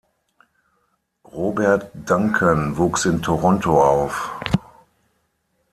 Robert Duncan wuchs in Toronto auf.